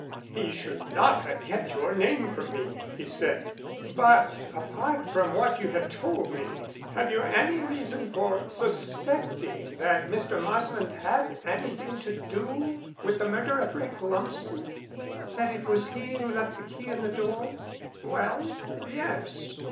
"He should not have kept your name from me," he said. "But, apart from what you have told me, have you any reason for suspecting that Mr. Marsland had anything to do with the murder of Frank Lumsden?" "That it was he who left the key in the door?" "Well yes."